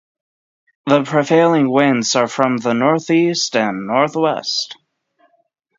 The prevailing winds are from the north-east and north-west.